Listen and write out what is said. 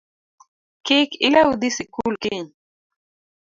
Kik ilew dhi sikul kiny